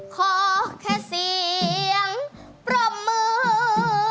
ขอแค่เสียงปรบมือ